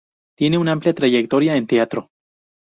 Tiene una amplia trayectoria en teatro.